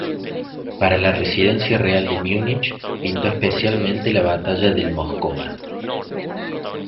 Para la residencia real de Múnich, pintó especialmente la batalla del Moscova.